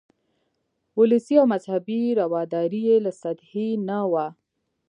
ولسي او مذهبي رواداري یې له سطحې نه وه.